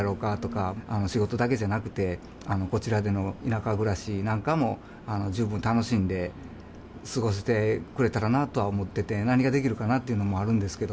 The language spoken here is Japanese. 仕事だけじゃなくてこちらでの田舎暮らしなんかも十分楽しんで過ごしてくれたらなとは思ってて何ができるかなっていうのもあるんですけども。